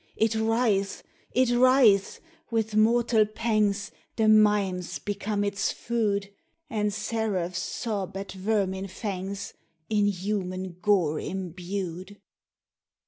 It writhes!—it writhes!—with mortal pangsThe mimes become its food, And seraphs sob at vermin fangsIn human gore imbued.